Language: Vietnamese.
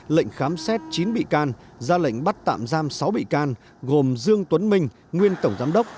lệnh khám xét chín bị can ra lệnh bắt tạm giam sáu bị can gồm dương tuấn minh nguyên tổng giám đốc